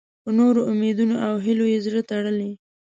په نورو امیدونو او هیلو یې زړه تړلی.